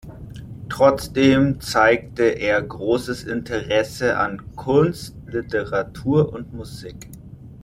Trotzdem zeigte er großes Interesse an Kunst, Literatur und Musik.